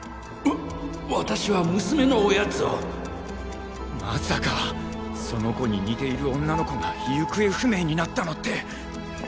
わ私は娘のおやつをまさかその子に似ている女の子が行方不明になったのって。